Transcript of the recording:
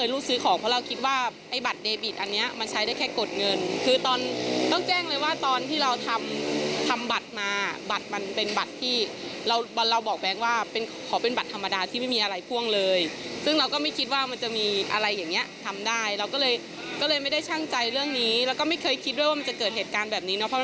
เราใช้มาตลอดเราไม่เคยรูดซื้อของ